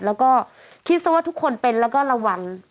แล้วก็คิดซะว่าทุกคนเป็นแล้วก็ระวัง